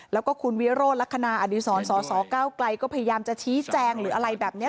แล้วก็คุณวิโรธลักษณะอดีศรสสเก้าไกลก็พยายามจะชี้แจงหรืออะไรแบบนี้